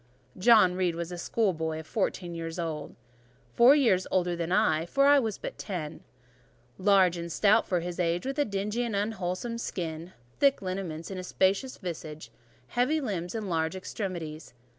John Reed was a schoolboy of fourteen years old; four years older than I, for I was but ten: large and stout for his age, with a dingy and unwholesome skin; thick lineaments in a spacious visage, heavy limbs and large extremities.